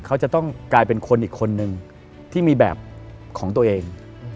เขาจะต้องกลายเป็นคนอีกคนนึงที่มีแบบของตัวเอง